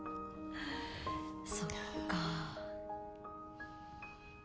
そっか。